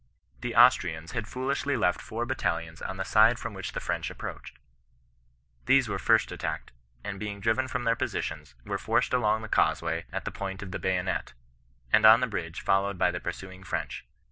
The Austrians had foolishly left four battalions on the side from which the French approached. These were first attacked, and being driven from their positions, were forced along the causeway at the point of the bayo net, and on the bridge followed by the pursuing French.